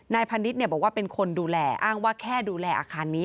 พาณิชย์บอกว่าเป็นคนดูแลอ้างว่าแค่ดูแลอาคารนี้